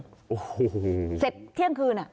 โอ้โหเสร็จเที่ยงคืน